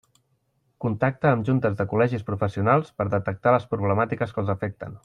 Contacta amb juntes de col·legis professionals per detectar les problemàtiques que els afecten.